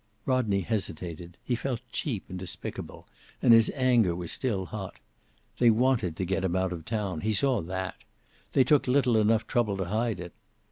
Rodney hesitated. He felt cheap and despicable, and his anger was still hot. They wanted to get him out of town. He saw that. They took little enough trouble to hide it.